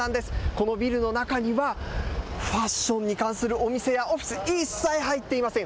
このビルの中にはファッションに関するお店やオフィス、一切入っていません。